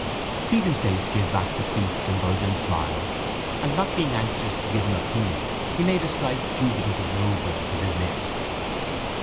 Stephen's face gave back the priest's indulgent smile and, not being anxious to give an opinion, he made a slight dubitative movement with his lips.